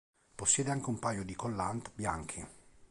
Possiede anche un paio collant bianchi.